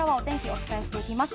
お伝えしていきます。